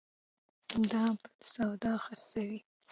دا بل سودا خرڅوي